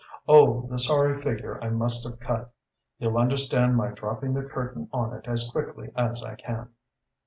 '... Oh, the sorry figure I must have cut! You'll understand my dropping the curtain on it as quickly as I can....